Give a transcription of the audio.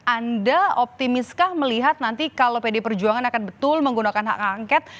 anda optimiskah melihat nanti kalau pd perjuangan akan betul menggunakan hak angket